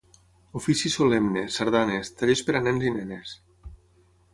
Ofici solemne, sardanes, tallers per nens i nenes.